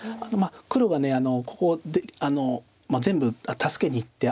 黒がここを全部助けにいって。